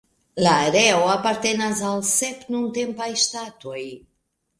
La areo apartenas al sep nuntempaj ŝtatoj.